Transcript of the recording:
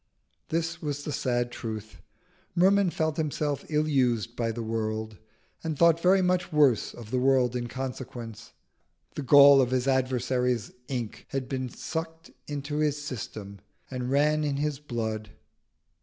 This was the sad truth. Merman felt himself ill used by the world, and thought very much worse of the world in consequence. The gall of his adversaries' ink had been sucked into his system and ran in his blood.